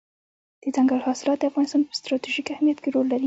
دځنګل حاصلات د افغانستان په ستراتیژیک اهمیت کې رول لري.